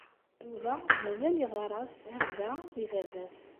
Yuba mazal yeɣɣar-as a bba i baba-s.